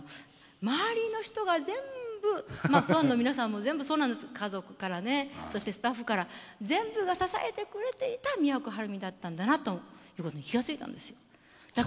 周りの人が全部まあファンの皆さんも全部そうなんです家族からねそしてスタッフから全部が支えてくれていた都はるみだったんだなということに気が付いたんですよ。